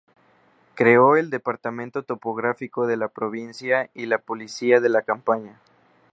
Creó el Departamento Topográfico de la Provincia y la policía de la campaña.